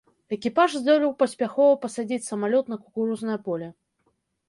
Экіпаж здолеў паспяхова пасадзіць самалёт на кукурузнае поле.